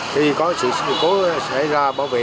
thì có sự sự cố xảy ra bảo vệ